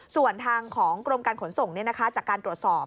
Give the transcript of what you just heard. ส่วนทางของกรมการขนส่งจากการตรวจสอบ